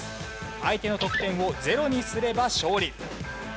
相手の得点をゼロにすれば勝利。